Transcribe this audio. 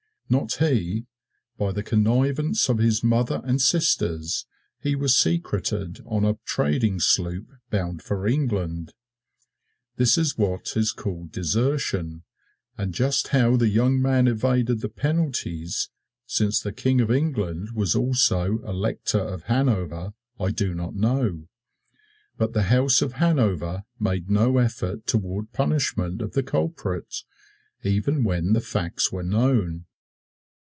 Not he by the connivance of his mother and sisters, he was secreted on a trading sloop bound for England. This is what is called desertion; and just how the young man evaded the penalties, since the King of England was also Elector of Hanover, I do not know, but the House of Hanover made no effort toward punishment of the culprit, even when the facts were known.